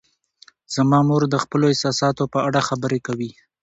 زما مور د خپلو احساساتو په اړه خبرې کوي.